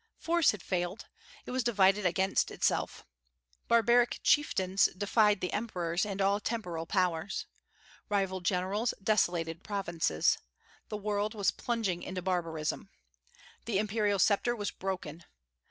Force had failed: it was divided against itself. Barbaric chieftains defied the emperors and all temporal powers. Rival generals desolated provinces. The world was plunging into barbarism. The imperial sceptre was broken.